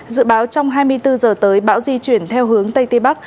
dự báo trong hai mươi bốn h tới bão di chuyển theo hướng tây tiên bắc